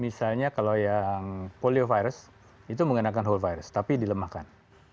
misalnya kalau yang poliovirus itu menggunakan whole virus tapi dilemahkan